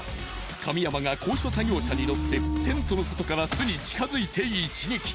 神山が高所作業車に乗ってテントの外から巣に近づいて一撃。